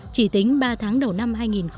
chỉ tính ba tháng đầu năm hai nghìn một mươi chín